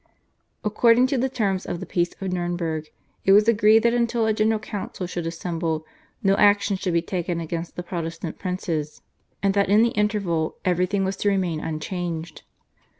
According to the terms of the Peace of Nurnberg it was agreed that until a General Council should assemble no action should be taken against the Protestant princes, and that in the interval everything was to remain unchanged.